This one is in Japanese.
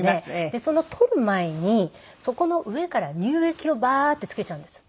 その取る前にそこの上から乳液をバーッてつけちゃうんです